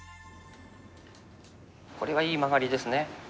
これはいいマガリですね。